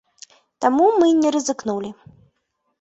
Таму мы не рызыкнулі.